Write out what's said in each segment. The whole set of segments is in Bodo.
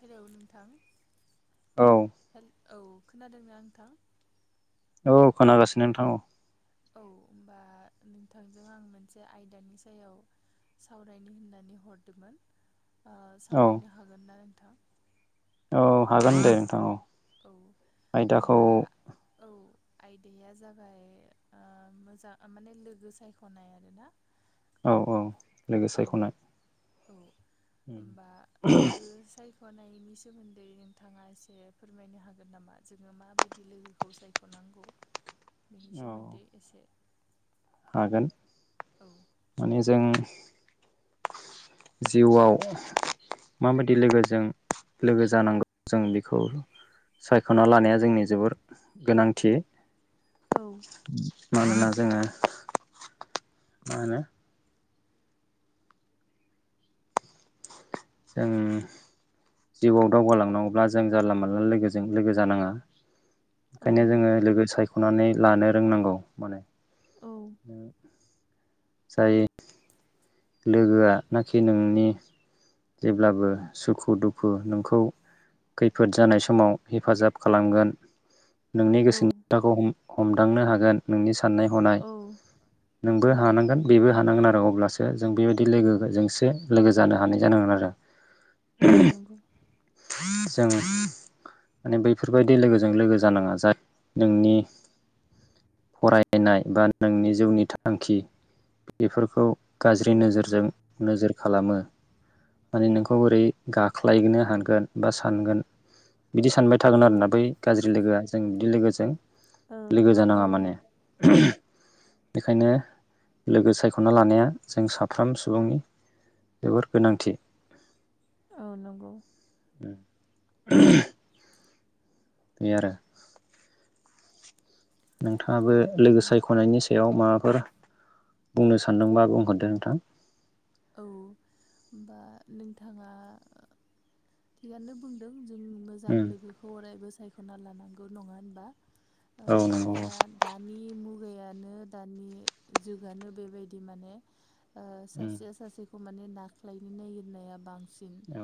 हेल' नोंथां। औ। हेल औ खोनादोंना नोंथां। औ खोनागासिनो नोंथां औ। औ होमबा नोंथांजों आं मोनसे आयदानि सायाव। सावरायनि होननानै हरदोंमोन ओ औ सावरायनो हागोन ना। नोंथां औ हागोन दे नोंथां औ। औ आयदाखौ होनबा औ। आयदाया जाबाय ओ मोजां माने लोगो सायख'नाय आरोना औ औ लोगो औ सायख'नाय औ होमबा लोगो साय सायख'नायनि सोमोन्दै नोंथाङा एसे फोरमायनो हागोन नामा जोङो माबायदि लोगोखौ सायख'ना नांगौ बेनि औ सोमोन्दै एसे हागोन औ माने जों। [unintelligible] जिउआव माबायदि लोगोजों लोगो जानांगौ जों बेखौ सायख'ना लानाया जोंनि जोबोर गोनांथि मानोना जोङो मा होनो जों जिउआव दावगालांनांगौब्ला जों जानला मानला लोगोजों लोगो जानाङा औ ओंखायनो जोङो नंगौ लोगो सायख'नानै लानो रोंनांगौ माने औ जायो। लोगोआ नाखि नोंनि जेब्लाबो सुखु दुखु नोंखौ खैफोद जानाय समाव हेफाजाब खालामगोन। नोंनि औ गोसोनिथाखौ हमदांनो हागोन नोंनि स साननाय हनाय औ नोंबो औ हानांगोन बेबो हानांगोन आरो अब्लासो जों बेबायदि लोगोजोंसो लोगो जानो हानाय जानांगोन आरो। औ नंगौ जोंङो माने बैफोरबायदि लोगोजों लोगो जानाङा जा नोंनि फरायनाय बा नोंनि जिउनि थांखि बेफोरखौ औ गाज्रि नोजोरजों नोजोर खालामो माने नोंखौ बोरै गाख्लायोननो हानो गोन बा सानगोन बिदि सानबाय थागोन औ आरोना बै गाज्रि लोगोआ जों बिदि लोगोजों औ लोगो औ जानांङा माने बेखायनो लोगो सायखना लानाया जों साफ्राम सुबुंनि जोबोर गोनांथि औ नंगौ [unintelligible] बे आरो औ नोंथाङाबो उम लोगो सायखनायनि सायाव बेयाव माबाफोर बुंनो सानदोंबा बुंहरदो नोंथां औ होमबा नोंथाङा थिगानो बुंदों जों मोजां उम लोगोखौ अरायबो सायखना लानांगौ नंङा होनबा औ नंगौ मानोना दानि मुग नो दा जुनो बेबायदि माने ओ उम सासे खौ माने नारख्लायनो नागिरनाया बांसिन औ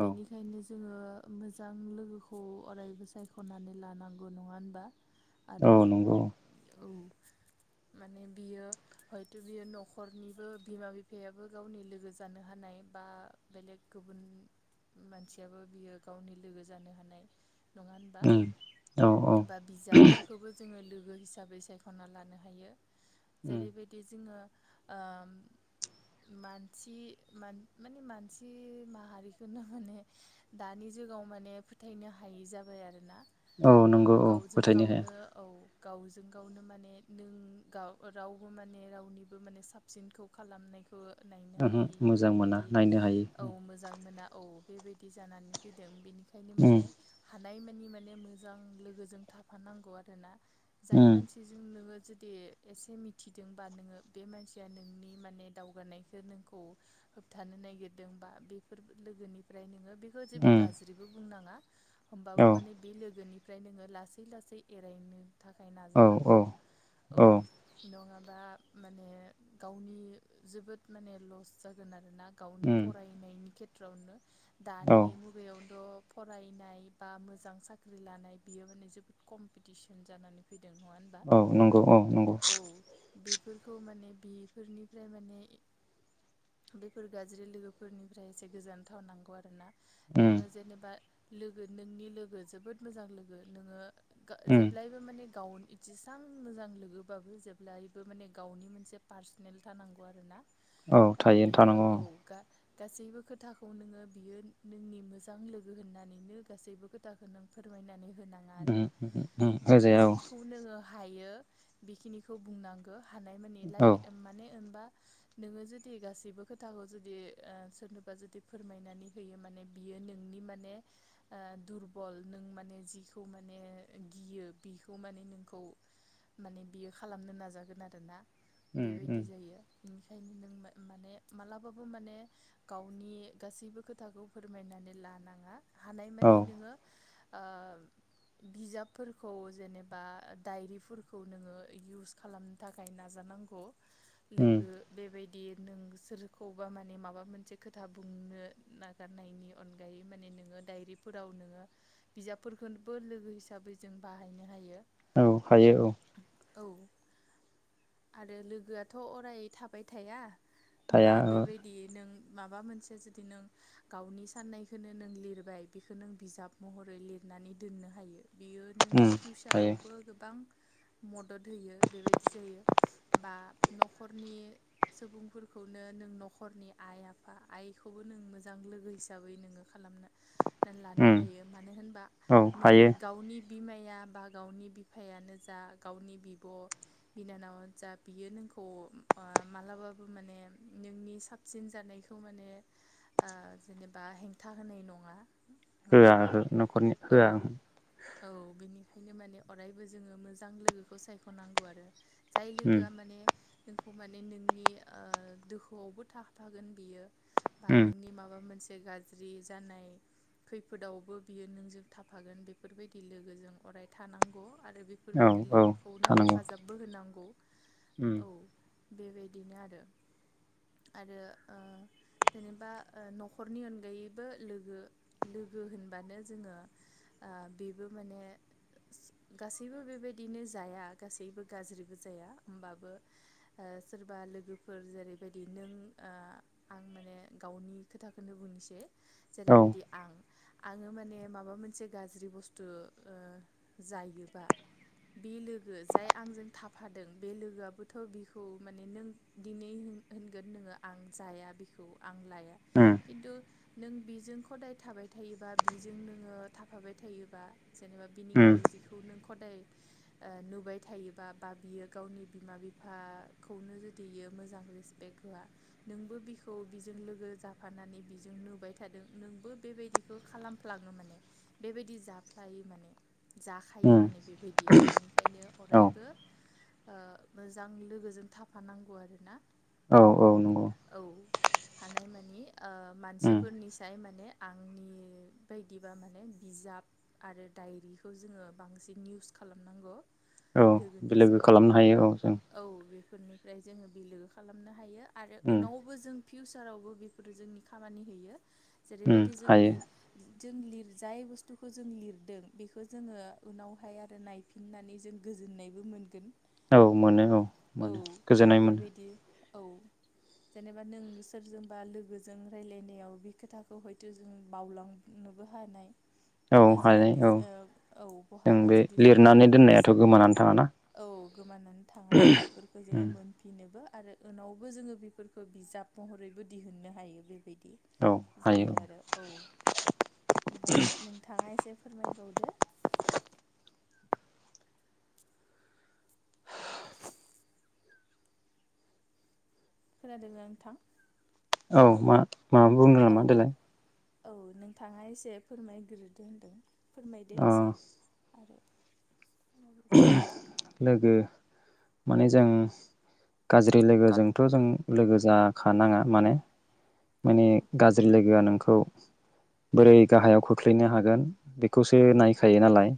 औ बेनिखायनो जों जोंङो मोजां लोगोखौ अरायबो सायखनानै लानांगौ नंङा होनबा औ आरो नंगौ औ माने बियो हयथबियो नखनिबो बिमा बि बिफायाबो गावनि लोगो जानो हानाय बा बेलेग गुबुन मानसियाबो बियो गावनि लोगो जानो हानाय नङा होनबा उम औ औ बा बिजाबफोरखौबो जोंङो ल लोगो हिसाबै सायखना लानो हायो उम जेरैबायदि जोङो [inaudible] मानसि माने मानसि माहारिखौनो माने दानि जुगाव म माने फोथायनो हायि जाबाय आरोना औ नंगौ औ गावजों फोथायनो हाया गावनो औ गावजों गावनो माने नों रावबो माने रावनिबो माने साबसिनखौ खालाम ओहो मोजां मोना नायनो औ हायो मोजां मोना औ बेबायदि जानानै फैदों बेनिखायनो उम माने हानायमानि माने मोजां लोगोजों थाफानांगौ आरोना जाय उम मानसिजों नोंङो जुदि एसे मिथिदोंबा नोंङो बे मानसिया नोंनि माने दावगानायखो नोंखौ होबथानो नागिरदों बा बेफोर लोगोनिफ्राय नोंङो बेखौ जेबो उम गाज्रिबो बुंनाङा हमबाबो औ माने बे लोगोनिफ्राय नोंङो लासै लासै एरायनो थाखाय औ औ नाजानांगौ औ नंङाबा माने गावनि जोबोद माने लस जागोन आरोोना गावनि उम फरायनायनि खेथ्रआवनो औ दानि मुगायावनोथ फरायनाय बा मोजां साख्रि लानाय बियो माने जोबोद कम्पिटिसन जानानै फैदों नङा होनबा औ नोंगौ औ नोंगौ औ बेफोरखौ माने बेफोरनि ओमफ्राय माने बेफोर गाज्रि लोगोफोरनिफ्राय एसे गोजोन थानांगौ आरो ना? उम नोंङो जेनेबा लोगो नोंनि लोगो जोबोद मोजां लोगो नोङो गो उम जेब्लायबो माने गाव जेसां मोजां लोगोबाबो जेब्लायबो माने गावनि मोनसे पार्सनेल जानांगौ नांगौ आरो ना। औ थायो थानांगौ गासैबो खोथाखौ नोंङो बियो नोंनि मोजां लोगो होननानैनो गासैबो खोथाखौ नों फोरमायनानै होनाङा आरो उम उम उम माने होजाया औ जिखौ नोङो हायो बेखिनिखौ बुंनांगो। हानाय मानि औ लागि माने ओमबा नोङो जुदि गासैबो खोथाखौ जुदि ओ सोरनोबा जुदि फोरमायनानै होयो मान माने बियो नोंनि माने दुरबल नों माने जिखौ माने गियो। बिखौ माने नोंखौ माने बियो खालामनो नाजागोन आरो ना? उम उ बिदि जायो। बेनिखायनो नों माने मालाबाबो माने गावनि गासैबो खोथाखौ फोरमायना नानै लानाङा औ हानायमानि नोङो ओ बिजाबफोरखौ जेनेबा डायरिफोरखौ नोङो इउस खालामनो थाखाय नाजा नांगौ उम लोगो बेबा दि नों सोरखौबा माने माबा मोनसे खोथा बुंनो नागारनायनि अनगायै माने नोङो डायरिफोराव नोङो बिजाबफोरफोरखौबो लोगो हिसाबै जों बाहायनो हायो। औ हायो औ औ आरो लोगोआथ' अराय थाबाय थाया। होमबा थाया ओहो बेबायदि नों माबा मोनसे जुदि नों गावनि साननायखौनो नों लिरबाय बेखौ नों बिजाब महरै लिर। नानै दोननो हायो। बियो उम नोंनि हायो फिउचारावबो गोबां मदद होयो बेबायदि जायो बा न'खरनि सुबुंफोरखौनो नों न'खरनि आइ-आफा आइखौबो नों मोजां लोगो हिसाबै नों खालामना लानो उम हायो मानो होनबा औ हायो नोंनि गावनि बिमाया बा गावनि बिफायानो जा गावनि बिब' बिनानावानो जा बियो नोंखौ ह [unintelligible] मालाबो माने नोंनि साबसिन जानायखौ माने ओ जेबा हेंथा होनाय नङा। नङा होआ होनबा हो न'खरनि औ होआ औ बिनिखायनो माने अरायबो जोङो मोजां लोगोखौ सायख'नांगौ आरो जाय लोगोआ माने नोंखौ माने नोंनि ओ दुखुआवबो थाफागोन बियो बा उम नोंनि माबा मोनसे गाज्रि जानाय खैफोदावबो बियो नोंजों थाफागोन बेफोरबायदि लोगोजों अराय थानांगौ। आरो बेफोरबायदि औ औ लोगोखौनो थानांगौ हेफाजाबबो होनांगौ। उम औ बेबायदिनो आरो आरो ओ जेनेबा ओ न'खरनि अनगायैबो लोगो-लोगो होनबानो जोङो ओ बेबो माने गासैबो बेबायदिनो जाया गासैबो गाज्रिबो जाया होमबाबो ओ सोरबा लोगोफोर जेरैबायदि नों ओ आं माने गावनि खोथाखौनो बुंनोसै औ जेरैबायदि आं आङो माने माबा मोनसे गाज्रि बुस्थु ओ जायोबा बे लोगो जाय आंजों थाफादों बे लोगोआबो थ' बिखौ माने नों दिनै होनगोन नोङो आं जाया बिखौ आं लाया उम खिन्थु नों बिजों हदाय थाबाय थायोबा बिजों नोङो थाफाबाय थायोबा जेनेबा बिनि उम गाज्रिखौ नों हदाय ओ नुबाय थायोबा बा बियो गावनि बिमा बिफा खौनो जुदि बियो मोजां रेसपेक्ट होआ नोंबो बिखौ बिजों लोगो जाफानानै बिजों नुबाय थादों नोंबो बेबायदिखौ खालामफ्लाङो माने बेबायदि जाफ्लाय माने जाखायो उम माने बेबायदिया बिनिखायनो औ अरायबो ओ मोजां लोगोजों थाफानांगौ आरोना। औ औ नंगौ औ हानाय मानि ओ उम मानसिफोरनिसाय माने आंनि बायदिबा माने बिजाब आरो डायरिखौ जोङो बांसिन इउस खालामनांगौ। औ लोगो लोगोनिसाय खालामनो औ हायो जों औ बेफोरनिफ्राय जोङो बिलोगो खालामनो हायो। आरो उम उनावबो जों फिउसारावबो बेफोरो जोंनि खामानि होयो। उम जेरैबायदि जों हायो बि जों लिर जाय बुस्थुखौ जों लिरदों बेखौ जोङो उनावहाय आरो नायफिननानै जों गो गोजोननायबो मोनगोन। औ मोनो औ मोनो गोजोननाय मोनो। बेबायदि औ जेनेबा नों सोरजोंबा लोगोजों रायलायनायाव बे खोथाखौ हयथ' जों बावलांनो बो हानाय। औ खिन्थु जोङो हानाय बिज औ औ जों बहाबा बे जुदि जोङो लिरनानै डायरि दोननायाथ' हिसाबै गोमानानै थाङाना औ गोमानानै थाङा बेफोरखौ जोङो उम मोनफिनोबो। आरो उनावबो जोङो बेफोरखौ बिजाब महरैबो दिहुननो हायो। बेबायदि औ बिदि हायो जायो आरो औ होमबा नोंथाङा एसे फोरमायबावदो खोनादोंना नोंथां? औ मा मा बुंदों औ नामा देलाय औ नोंथाङा एसे फोरमायग्रोदो होनदों। फोरमायदो अ एसे आरो समाबो जाबाय लोगो माने जों गाज्रि लोगोजोंथ' जों लोगो जाखानाङा माने माने औ गाज्रि लोगोआ नोंखौ बोरै गाहायाव खोख्लैनो हागोन बेखौसो औ नायखायो नालाय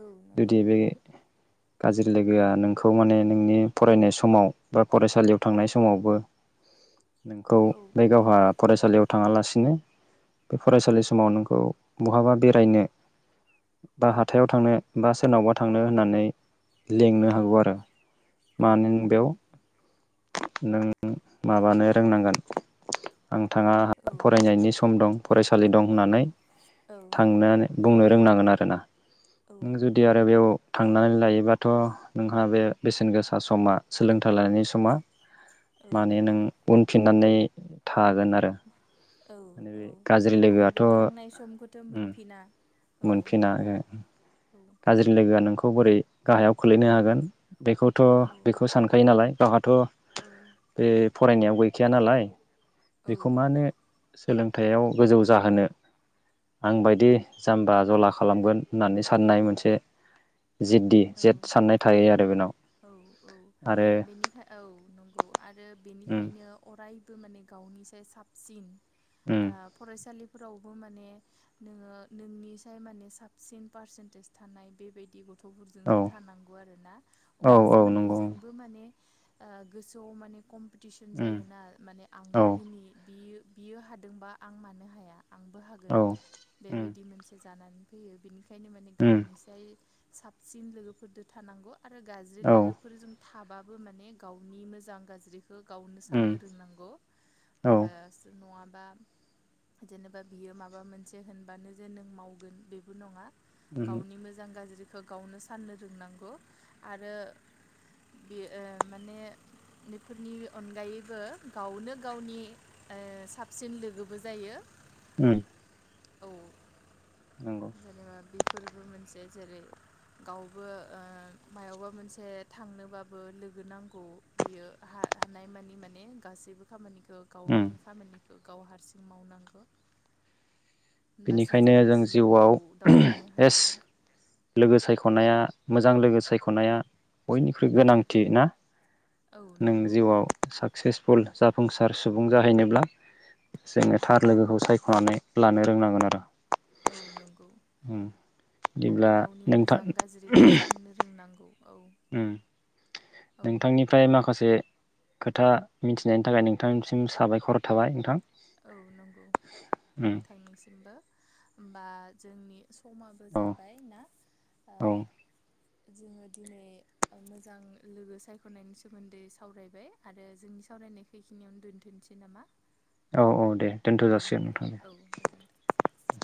औ नंगौ जुदि बे [inaudible] गाज्रि लोगोआ नोंखौ माने नोंनि फरायनाय समाव बा फरायसालियाव थांनाय समावबो [inaudible] नोंखौ औ बे गावहा फरायसालियाव थाङालासिनो बे फरायसालि समाव नोंखौ बहाबा बेरायनो बा हाथायाव थांनो बा सोरनावबा थांनो होननानै लेंनो हागौ आरो औ मानो नंगौ बेयाव नों माबानो रोंनांगोन। आं थाङा औ फरायनायनि सम दं फरायसालि दं होननानै थांनो बुंनो रोंनांगोन आरोना औ नों जुदि आरो बेयाव थांनानै लायोबाथ' नोंहा बे बेसेन गोसा समा सोलोंथाइ लानायनि समा औ माने नों उनफिननानै थागोन आरो औ माने औ बे गाज्रि आरो लोगोआथ' बे थांनाय समखौथ' उम मोनफिना। औ मोनफिना नंगौ आरो औ गाज्रि लोगोआ नोंखौ बोरै गाहायाव खोलैनो हागोन। बेखौथ' औ बेखौ सानखायो नालाय गावहाथ' औ बे फरायनायाव गैखाया नालाय। औ बेखौ मानो सोलोंथायाइयाव गोजौ जाहोनो आं बायदि जाम्बा जला खालामगोन होननानै साननाय मोनसे बिदि औ जेत साननाय थायो आरो बेनाव। औ औ आरो बेनिखाय औ नंगौ आरो उम बेनिखायनो अरायबो माने गावनिसाय साबसिनो उम ओ फरायसालि फोरावबो माने नोङो नोंनिसाय माने साबसिन पारसेन्टेज थानाय बेबायदि गथ' औ जोंसो थानांगौ आरोना औ होमबासो औ माने नंगौ जोंबो माने ओ गोसोआव माने कम्पिटिसन उम जायोना माने आंबो औ बिनि बियो बियो हादोंबा आं मानो हाया आंबो हागोन औ उम बेबायदि मोनसे जानानै फैयो बेनिखायनो माने उम गावनिसाय साबसिन लोगोफोरजों थानांगौ आरो गाज्रि औ लोगोफोरजों थाबाबो माने गावनि मोजां गाज्रिखौ गावनो उम साननो रोंनांगौ औ होमबासो नङा बा जेनेबा बियो माबा मोनसे होनबानो जे नों मावगोन बेबो नङा उम गावनि मोजां गाज्रिखौ गावनो साननो रोंनांगौ आरो बे ओ माने बेफोरनि अनगायैबो गावनो गावनि ओ साबसिन लोगोबो जायो उम औ नंगौ जेनेबा बि फोरबो मोनसे जेरै गावबो ओ मायावबा मोनसे थांनोबाबो लो गो नांगौ बियो हा-हानायमानि माने गासिबो खामानिखौ उम गावनि खामानिखौ गाव हारसिं मावनांगौ होनबासो बेनिखायनो जों जिउआव दावगानो एस हायो लोगो सायख'नाया मोजां लोगो सायख'नाया बयनिख्रुइ औ गोनांथि ना औ नों नंगौ जिउआव साक्सेस फुल जाफुंसार सुबुं जाहैनोब्ला औ जों थार लोगोखौ सायख'नानै लानो रोंनांगोन आरो। औ नंगौ उम आरो बिदिब्ला गावनि नोंथां मोजां गाज्रिखौ सान्नो रोंनांगौ औ ओम औ नोंथांनिफ्राय माखासे खोथा मिथिनायनि थाखाय नोंथांनिसिम साबायखर थाबाय नोंथां। औ नंगौ उम नोंथांनिसिमबो होमबा जोंनि समाबो औ जाबाय ना औ ओ जोङो दिनै मोजां लोगो सायख'नायनि सोमोन्दै सावरायबाय आरो जोंनि सावराय रायनाय खैखिनियावनो दोन्थ'नोसै नामा? औ औ दे। दोनथ' औ जासिगोन दे नोंथां। औ गोजोनथोंसै।